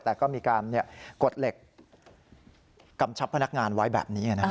แต่ก็มีการกดเหล็กกำชับพนักงานไว้แบบนี้